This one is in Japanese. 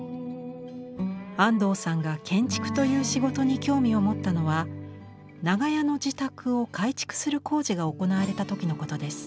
安藤さんが建築という仕事に興味を持ったのは長屋の自宅を改築する工事が行われた時のことです。